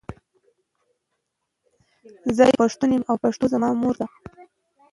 زۀ یو پښتون یم او پښتو زما مور ده.